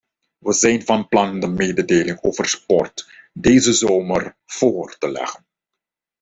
We zijn van plan de mededeling over sport deze zomer voor te leggen.